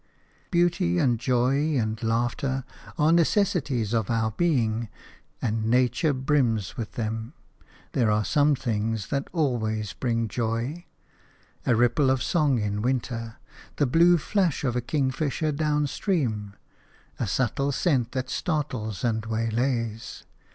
Beauty and Joy and Laughter are necessities of our being, and nature brims with them. There are some things that always bring joy – a ripple of song in winter, the blue flash of a kingfisher down stream, a subtle scent that startles and waylays.